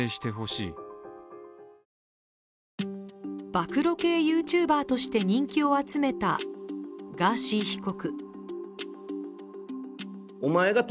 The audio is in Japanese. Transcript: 暴露系ＹｏｕＴｕｂｅｒとして人気を集めたガーシー被告。